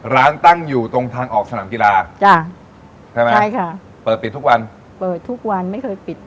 ร้านตั้งอยู่ตรงทางออกสนามกีฬาจ้ะใช่ไหมใช่ค่ะเปิดปิดทุกวันเปิดทุกวันไม่เคยปิด